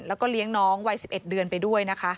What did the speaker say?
แล้วก็เลี้ยงน้องวัย๑๑เดือนไปด้วยนะคะ